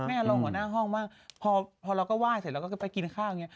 อารมณ์หัวหน้าห้องบ้างพอเราก็ไหว้เสร็จเราก็ไปกินข้าวอย่างนี้